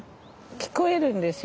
聞こえるんですよ